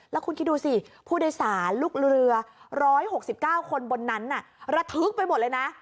แล้วคุณคิดดูสิผู้โดยสารลูกเรือ๑๖๙คนบนนั้นระทึกไปหมดเลยนะ